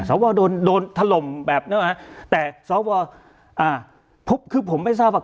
สวบอลโดนโดนถล่มแบบนั้นฮะแต่สวบอลอ่าพบคือผมไม่ทราบอ่ะ